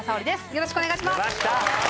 よろしくお願いします。